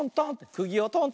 くぎをトントン。